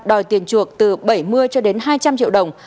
đòi tiền chuộc từ bảy mươi cho đến hai trăm linh triệu đồng